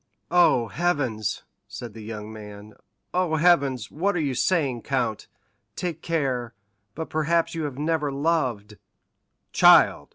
"Oh, heavens," said the young man, "oh, heavens—what are you saying, count? Take care. But perhaps you have never loved!" "Child!"